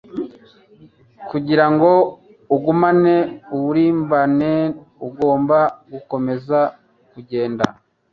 Kugira ngo ugumane uburimbane, ugomba gukomeza kugenda. ”